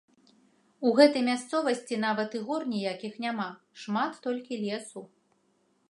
У гэтай мясцовасці нават і гор ніякіх няма, шмат толькі лесу.